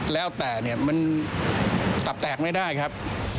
แล้วแต่เนี่ยมันตับแตกไม่ได้ครับ